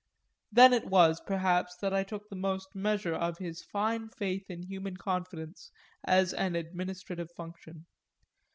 Then it was perhaps that I most took the measure of his fine faith in human confidence as an administrative function.